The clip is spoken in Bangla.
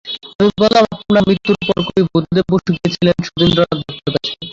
আমি বললাম, আপনার মৃত্যুর পরে কবি বুদ্ধদেব বসু গিয়েছিলেন সুধীন্দ্রনাথ দত্তর কাছে।